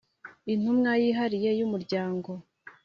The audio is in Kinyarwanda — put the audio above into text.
intumwa yihariye y'umuryango